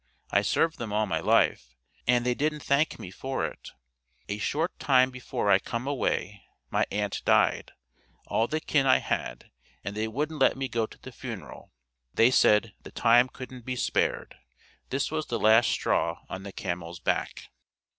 I served them all my life, and they didn't thank me for it. A short time before I come away my aunt died, all the kin I had, and they wouldn't let me go to the funeral. They said 'the time couldn't be spared.'" This was the last straw on the camel's back.